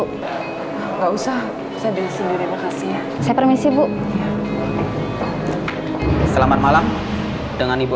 enggak usah saya di sini terima kasih ya saya permisi bu selamat malam dengan ibu